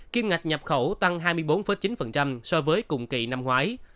kim ngạch nhập khẩu tăng hai mươi bốn chín so với cùng kỳ năm ngoái